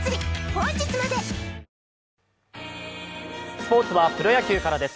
スポーツはプロ野球からです。